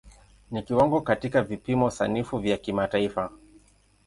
Ni kiwango katika vipimo sanifu vya kimataifa.